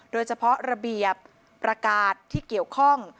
โดยเฉพาะระเบียบประกาศที่เกี่ยวข้อง